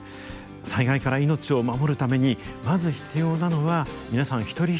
災害から命を守るためにまず必要なのは皆さん一人一人の備えです。